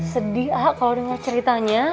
sedih aha kalau dengar ceritanya